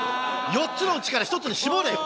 ４つのうちから１つに絞れよ！